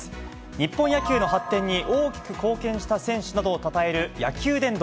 日本野球の発展に大きく貢献した選手などをたたえる野球殿堂。